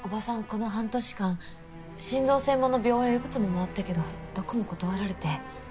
この半年間心臓専門の病院をいくつも回ったけどどこも断られて。